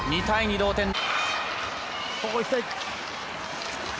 ２対２同点。